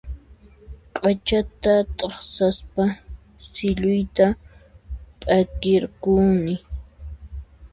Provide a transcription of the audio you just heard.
P'achata t'aqsaspa silluyta p'akirqukuni